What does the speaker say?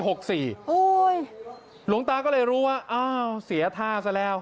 โอ้โหหลวงตาก็เลยรู้ว่าอ้าวเสียท่าซะแล้ว